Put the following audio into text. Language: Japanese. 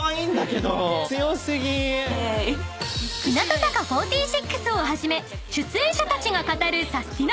［「日向坂４６」をはじめ出演者たちが語るサスティな！